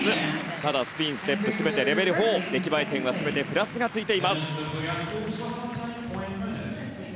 ただ、スピン、ステップ全てレベル４出来栄え点は全てプラスがついています。